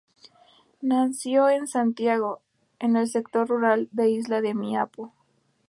Nació en Santiago, en el sector rural de Isla de Maipo.